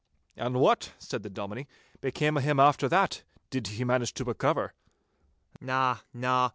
'And what,' said the Dominie, 'became o' him after that? Did he manage to recover?' 'Na, na.